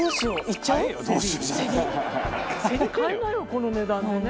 せり買えないわこの値段でね。